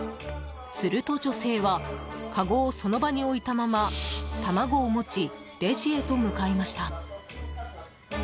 すると女性はかごをその場に置いたまま卵を持ち、レジへと向かいました。